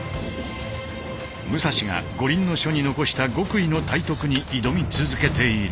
武蔵が「五輪書」に残した極意の体得に挑み続けている。